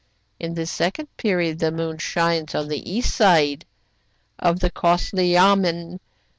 " In the second period the moon shines on the east side of the costly yamen.